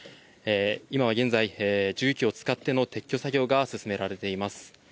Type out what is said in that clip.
今は現在、重機を使っての撤去作業が進められています。